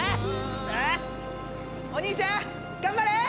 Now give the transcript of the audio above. お兄ちゃん頑張れ！